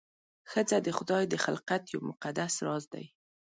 ښځه د خدای د خلقت یو مقدس راز دی.